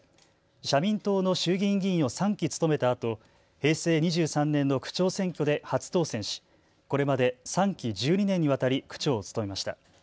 社民党の衆議院議員を３期務めたあと、平成２３年の区長選挙で初当選し、これまで３期１２年にわたり区長を務めました。